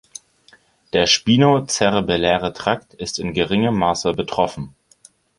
Der spinocerebelläre Trakt ist in geringerem Maße betroffen.